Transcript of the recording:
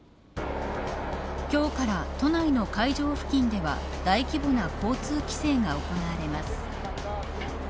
今日から都内の会場付近では大規模な交通規制が行われます。